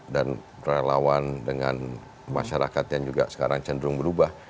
dan berlawan dengan masyarakat yang juga sekarang cenderung berubah